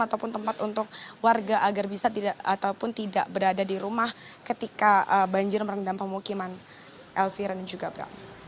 ataupun tempat untuk warga agar bisa tidak ataupun tidak berada di rumah ketika banjir merendam pemukiman elvira dan juga bram